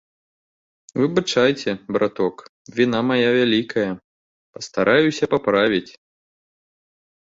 Выбачайце, браток, віна мая вялікая, пастараюся паправіць.